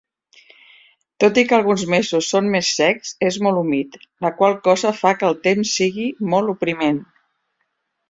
Tot i que alguns mesos són més secs, és molt humit, la qual cosa fa que el temps sigui molt opriment.